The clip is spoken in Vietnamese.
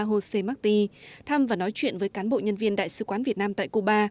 josé martí thăm và nói chuyện với cán bộ nhân viên đại sứ quán việt nam tại cuba